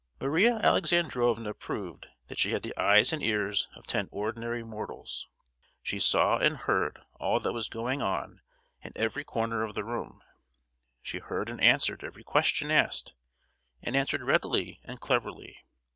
Maria Alexandrovna proved that she had the eyes and ears of ten ordinary mortals. She saw and heard all that was going on in every corner of the room; she heard and answered every question asked, and answered readily and cleverly.